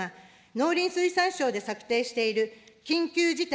農林水産省で策定している緊急事態